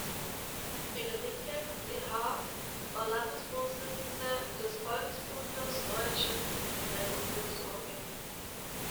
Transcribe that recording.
Friederike de Haas war Landesvorsitzende des Volksbundes Deutsche Kriegsgräberfürsorge.